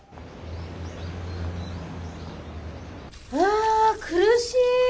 あ苦しい。